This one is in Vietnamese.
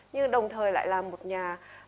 nhưng đồng thời lại là một nhà